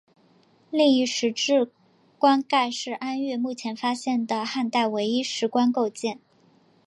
另一石质棺盖是安岳目前发现的汉代唯一石棺构件。